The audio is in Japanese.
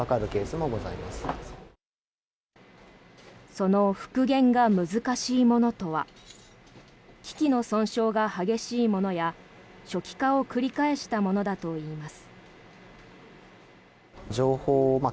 その復元が難しいものとは機器の損傷が激しいものや初期化を繰り返したものだといいます。